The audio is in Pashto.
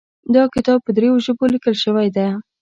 دا کتاب په دریو ژبو لیکل شوی ده